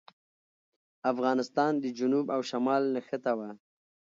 افغانستان د جنوب او شمال نښته وه.